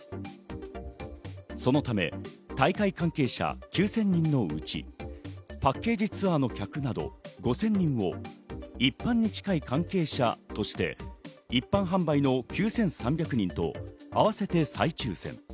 そのため、大会関係者９０００人のうち、パッケージツアーの客など５０００人を一般に近い関係者として一般販売の９３００人と合わせて再抽選。